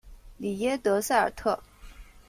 里耶德塞尔特。